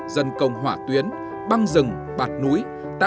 dân công hỏa tuyến băng rừng bạt núi